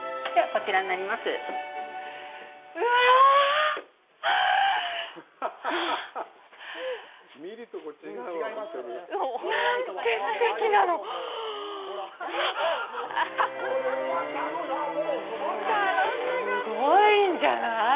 これ、すごいんじゃない？